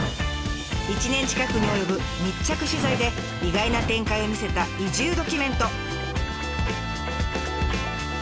１年近くに及ぶ密着取材で意外な展開を見せた移住ドキュメント。